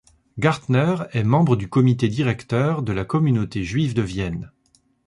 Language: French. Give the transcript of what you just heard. Gartner est membre du comité directeur de la communauté juive de Vienne.